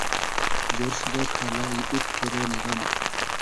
جۉر شودۂ کالای اید پېرۉنی غئم